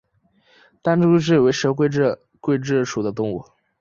单蛙蛭为舌蛭科蛙蛭属的动物。